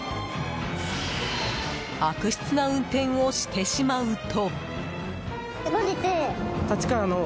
悪質な運転をしてしまうと。